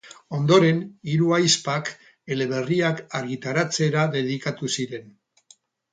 Ondoren, hiru ahizpak eleberriak argitaratzera dedikatu ziren.